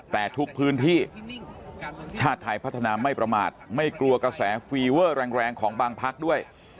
แต่ทุกพื้นที่ชาติไทยพัฒนาไม่ประมาทไม่กลัวกระแสฟีเวอร์แรงของบางพักด้วย